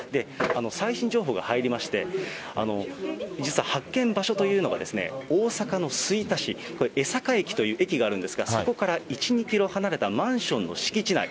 最新情報が入りまして、実は発見場所というのが、大阪の吹田市、これ、江坂駅という駅があるんですけど、そこから１、２キロ離れたマンションの敷地内。